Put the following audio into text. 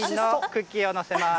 クッキーを載せます。